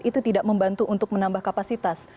itu tidak membantu untuk menambah kapasitas